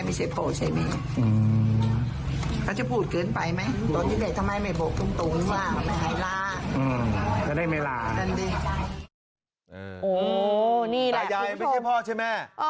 ปักจะได้ไม่ลา